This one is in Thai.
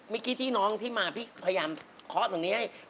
เมื่อกี้ที่น้องที่มาพี่พยายามเคาะตรงนี้ให้